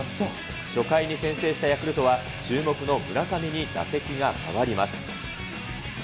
初回に先制したヤクルトは、注目の村上に打席が回ります。